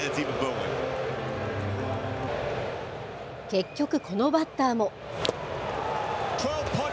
結局、このバッターも。